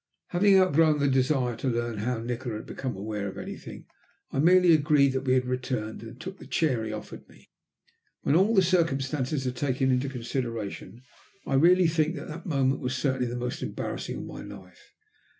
Having out grown the desire to learn how Nikola had become aware of anything, I merely agreed that we had returned, and then took the chair he offered me. When all the circumstances are taken into consideration, I really think that that moment was certainly the most embarrassing of my life.